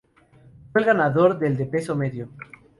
Fue el ganador del de peso medio.